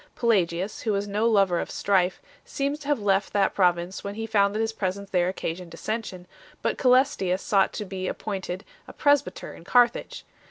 Pelagius, who was no lover of strife, seems to have left that pro vince when he found that his presence there occasioned dissension, but Cselestius sought to be appointed a pres byter in Carthage.